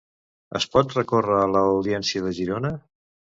Es pot recórrer a l'Audiència de Girona.